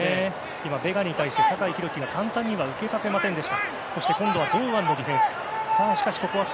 今、ベガに対して酒井宏樹が簡単には受けさせませんでした。